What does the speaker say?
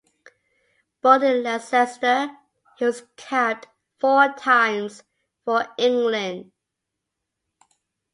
Born in Leicester, he was capped four times for England.